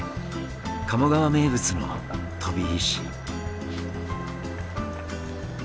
鴨川名物の飛び石。